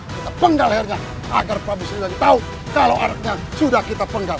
kita penggal hernya agar pak busun lagi tahu kalau anaknya sudah kita penggal